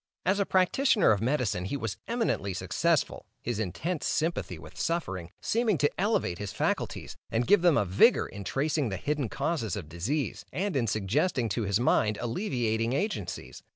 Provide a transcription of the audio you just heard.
As a practitioner of medicine, he was eminently successful, his intense sympathy with suffering, seeming to elevate his faculties and give them unwonted vigor in tracing the hidden causes of disease, and in suggesting to his mind alleviating agencies.